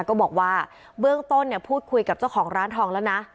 ก็บอกว่าเบื้องต้นเนี่ยพูดคุยกับเจ้าของร้านทองแล้วนะ